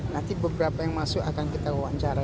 nanti beberapa yang masuk akan kita wawancara